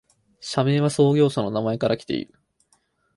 社名は創業者の名前からきている